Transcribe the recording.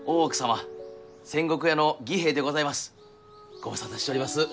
ご無沙汰しちょります。